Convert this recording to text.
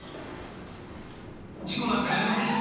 事故なんかじゃありません。